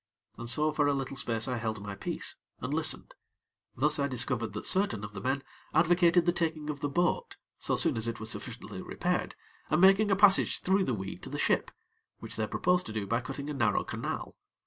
And so for a little space I held my peace, and listened; thus I discovered that certain of the men advocated the taking of the boat so soon as it was sufficiently repaired and making a passage through the weed to the ship, which they proposed to do by cutting a narrow canal.